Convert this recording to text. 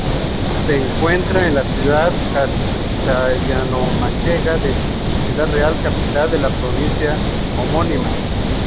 Se encuentra en la ciudad castellanomanchega de Ciudad Real, capital de la provincia homónima.